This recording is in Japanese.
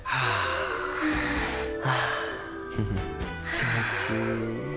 気持ちいい。